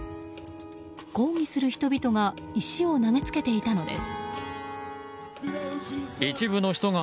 抗議する人々が石を投げつけていたのです。